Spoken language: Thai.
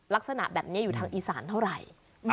ลักษณะแบบนี้อยู่ทางอีสานเท่าไหร่